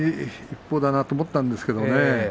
一方だなと思ったんですけどね。